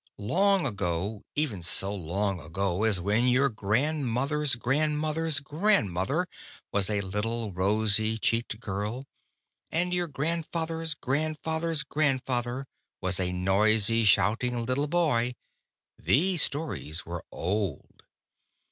Long ago, even so long ago as when your grandmother's grandmother's grandmother was a little rosy cheeked girl, and your grandfather's grandfather's grandfather was a noisy shouting little boy, these stories were old.